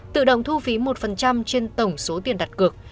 tự động thu phí một trên tổng số tiền đặt cược